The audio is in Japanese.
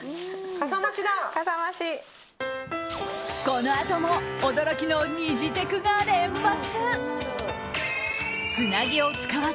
このあとも驚きのにじテクが連発！